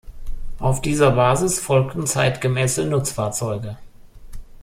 Auf dieser Basis folgten zeitgemäße Nutzfahrzeuge.